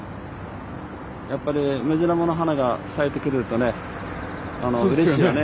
やっぱりムジナモの花が咲いてくるとねうれしいよね。